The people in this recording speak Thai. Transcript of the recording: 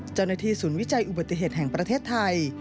เจ้าหน้าที่ศูนย์วิจัยอุบัติเหตุแห่งประเทศไทย